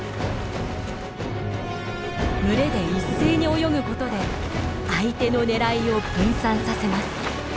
群れで一斉に泳ぐことで相手の狙いを分散させます。